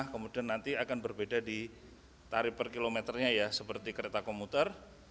kemudian nanti akan berbeda di tarif per kilometernya ya seperti kereta komuter